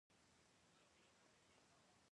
هیلۍ د جهیلونو نرمه نغمه ده